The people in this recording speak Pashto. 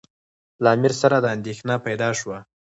له امیر سره دا اندېښنه پیدا شوه.